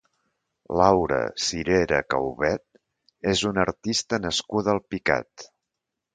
Laura Cirera Caubet és una artista nascuda a Alpicat.